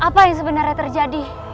apa yang sebenarnya terjadi